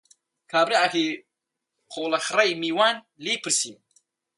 کابرایەکی قوڵەخڕەی میوان، لێی پرسیم: